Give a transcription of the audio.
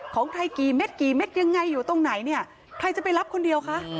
ของใครกี่เม็ดกี่เม็ดยังไงอยู่ตรงไหนเนี่ยใครจะไปรับคนเดียวคะ